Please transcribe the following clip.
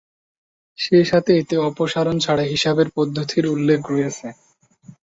সেসাথে এতে অপসারণ ছাড়া হিসাবের পদ্ধতির উল্লেখ রয়েছে।